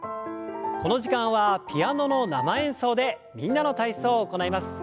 この時間はピアノの生演奏で「みんなの体操」を行います。